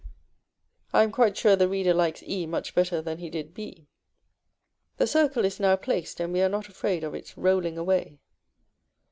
I am quite sure the reader likes e much better than he did b. The circle is now placed, and we are not afraid of its rolling away.